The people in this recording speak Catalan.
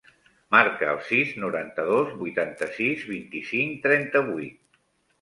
Marca el sis, noranta-dos, vuitanta-sis, vint-i-cinc, trenta-vuit.